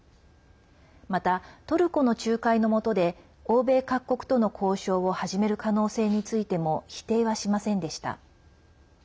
また、トルコの仲介のもとで欧米各国との交渉を始める可能性についても否定はしませんでした。